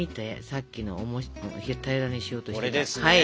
さっきの平らにしようとしたやつ。